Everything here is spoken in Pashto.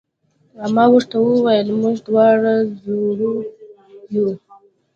ما ورته وویل: موږ دواړه زړور یو.